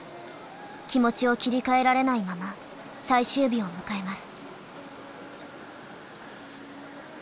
気持ちを切り替えられないまま最終日を迎えます。